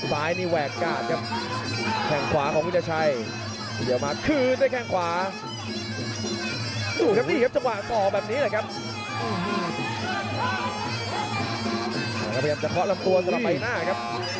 แล้วก็ยังจะคลอดลำตัวสำหรับไปหน้าครับ